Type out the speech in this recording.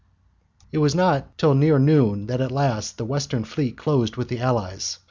It was not till near noon that at last the Western fleet closed with the Allies.